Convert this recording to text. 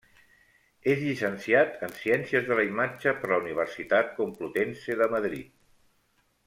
És llicenciat en Ciències de la Imatge per la Universitat Complutense de Madrid.